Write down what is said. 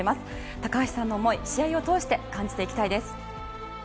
高橋さんの思い試合を通して感じていきたいです。